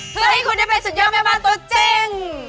เพื่อให้คุณได้เป็นสุดยอดแม่บ้านตัวจริง